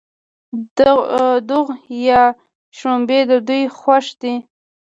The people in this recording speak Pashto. دوغ یا شړومبې د دوی خوښ دي.